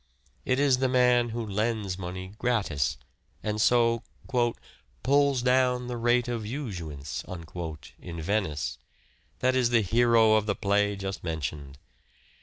It is the man who lends money gratis, and so " pulls down the rate of usuance" in Venice, that is the hero of the play just mentioned.